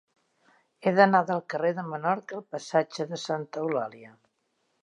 He d'anar del carrer de Menorca al passatge de Santa Eulàlia.